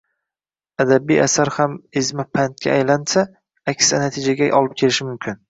Adabiy asar ham ezma pandga aylansa, aks natijaga olib kelishi mumkin